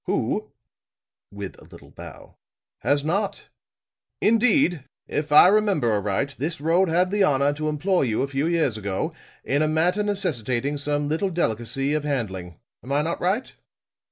Who," with a little bow, "has not? Indeed, if I remember aright, this road had the honor to employ you a few years ago in a matter necessitating some little delicacy of handling. Am I not right?"